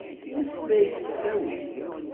Meslay s ttawil.